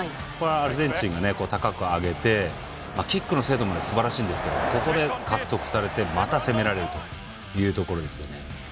アルゼンチンが高く上げてキックの精度もすばらしいんですけどここで獲得されて、また攻められるというところですね。